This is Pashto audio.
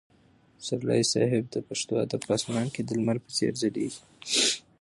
پسرلي صاحب د پښتو ادب په اسمان کې د لمر په څېر ځلېږي.